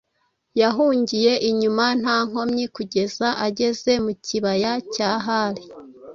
Yahungiye inyuma nta nkomyi kugeza ageze mu kibaya cya Hari.